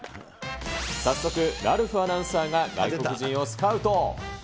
早速、ラルフアナウンサーが外国人をスカウト。